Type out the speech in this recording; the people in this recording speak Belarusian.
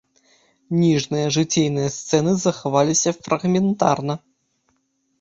Ніжнія жыційныя сцэны захаваліся фрагментарна.